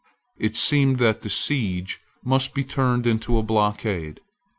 It seemed that the siege must be turned into a blockade.